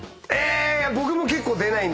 僕も結構出ないんで。